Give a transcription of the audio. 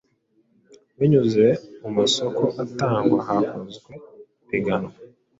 binyuze mu masoko atangwa hakozwe ipiganwa.